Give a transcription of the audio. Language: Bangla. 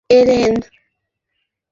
আরে না, আমি চা কফি কিছুই খাবো না।